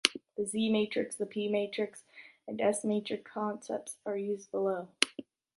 The Z-matrix, P-matrix and S-matrix concepts are used below.